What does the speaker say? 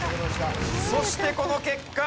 そしてこの結果。